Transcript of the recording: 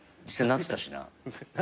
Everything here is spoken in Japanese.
実際なってたしな。